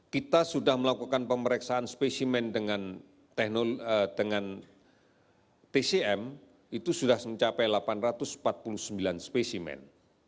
kita sudah melakukan pemeriksaan spesimen dengan tcm itu sudah mencapai delapan ratus empat puluh sembilan spesimen